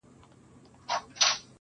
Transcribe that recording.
چي د ښاغلي بهاند په قول